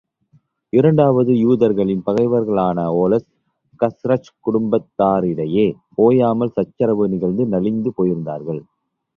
இரண்டாவது யூதர்களின் பகைவர்களான Aws, Khazraj குடும்பத்தாரிடையே ஓயாமல் சச்சரவு நிகழ்ந்து, நலிந்து போயிருந்தார்கள்.